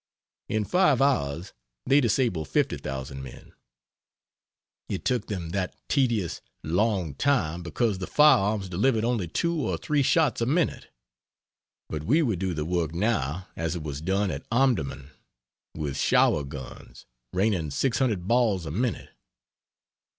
In five hours they disabled 50,000 men. It took them that tedious, long time because the firearms delivered only two or three shots a minute. But we would do the work now as it was done at Omdurman, with shower guns, raining 600 balls a minute.